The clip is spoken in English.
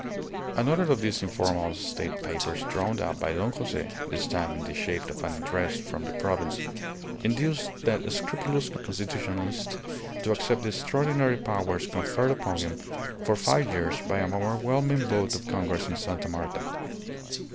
Another of these informal State papers drawn up by Don Jose (this time in the shape of an address from the Province) induced that scrupulous constitutionalist to accept the extraordinary powers conferred upon him for five years by an overwhelming vote of congress in Sta. Marta.